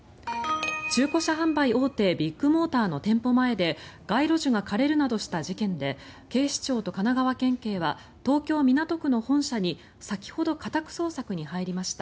中古車販売大手ビッグモーターの店舗前で街路樹が枯れるなどした事件で警視庁と神奈川県警は東京・港区の本社に先ほど、家宅捜索に入りました。